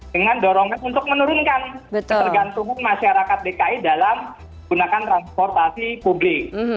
dengan dorongan untuk menurunkan ketergantungan masyarakat dki dalam gunakan transportasi publik